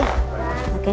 apes banget gambarnya reina